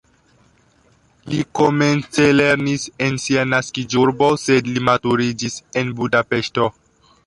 Li komence lernis en sia naskiĝurbo, sed li maturiĝis en Budapeŝto.